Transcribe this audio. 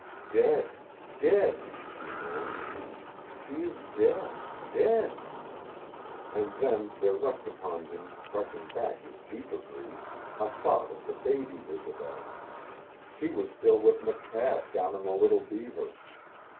"Dead dead " he moaned. "She is dead dead " And then there rushed upon him, crushing back his deeper grief, a thought of the baby Isobel. She was still with McTabb down on the Little Beaver.